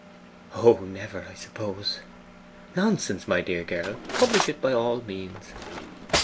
'Oh, never, I suppose.' 'Nonsense, my dear girl. Publish it, by all means.